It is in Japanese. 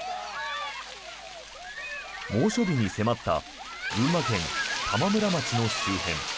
猛暑日に迫った群馬県玉村町の周辺。